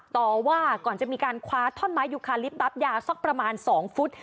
ต่อว่าก่อนจะมีการควาสถ้อนไม้ยุคาริปตั๊ปจะประมาณ๒ฟุต